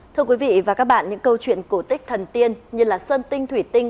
thưa quý vị và các bạn những câu chuyện cổ tích thần tiên như là sơn tinh thủy tinh